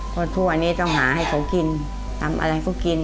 เพราะทั่วนี้ต้องหาให้เขากินทำอะไรก็กิน